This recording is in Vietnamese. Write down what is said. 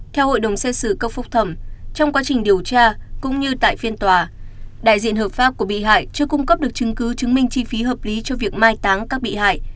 theo hội đồng xét xử cấp phúc thẩm trong quá trình điều tra cũng như tại phiên tòa đại diện hợp pháp của bị hại chưa cung cấp được chứng cứ chứng minh chi phí hợp lý cho việc mai táng các bị hại